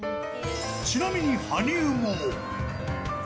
ちなみに、羽生も。